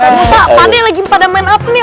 pak musa pak de lagi pada main apa nih